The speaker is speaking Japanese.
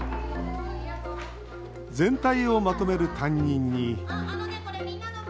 全体をまとめる担任に。